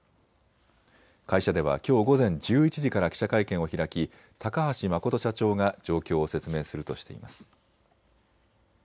会社ではきょう午前１１時から記者会見を開き高橋誠社長が状況を説明するとしています。